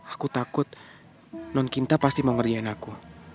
aku takut non kinta pasti mau ngerjain aku